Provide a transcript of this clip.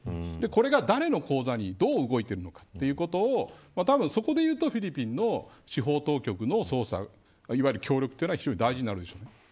これが誰の口座にどう動いているのかということをそこでいうとフィリピンの司法当局の捜査がいわゆる協力が大事になるでしょうね。